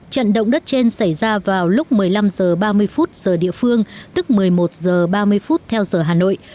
trận động đất trên xảy ra vào lúc một mươi năm h ba mươi giờ địa phương tức một mươi một h ba mươi phút theo giờ hà nội